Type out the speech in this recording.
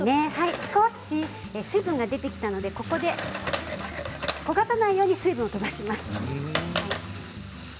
少し水分が出てきたのでここで焦がさないように水分を飛ばします。